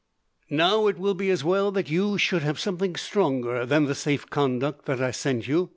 "Now, it will be as well that you should have something stronger than the safe conduct that I sent you.